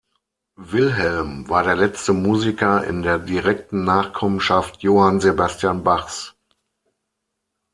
Wilhelm war der letzte Musiker in der direkten Nachkommenschaft Johann Sebastian Bachs.